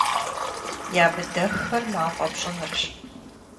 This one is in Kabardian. Ямыдэххэр мафӀэ пщӀынырщ.